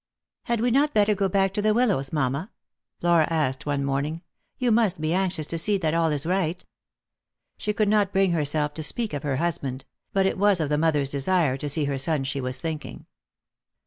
"Had we not better go back to the Willows, mamma?" Flora asked one morning. " You must be anxious to see that all is right." She could not bring herself to speak of her husband ; but it was of the mother's desire to see her son she was thinking.